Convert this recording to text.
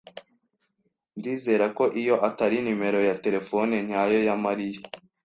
Ndizera ko iyo atari nimero ya terefone nyayo ya Mariya.